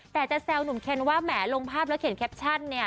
แต่จะแซวหนุ่มเคนว่าแหมลงภาพแล้วเขียนแคปชั่นเนี่ย